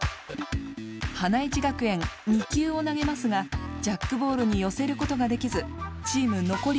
花一学園２球を投げますがジャックボールによせることができずチームのこり